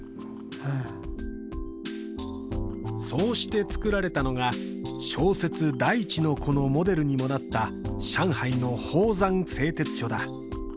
はいそうしてつくられたのが小説「大地の子」のモデルにもなった上海の宝山製鉄所だ